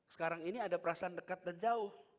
sekarang ini ada perasaan dekat dan jauh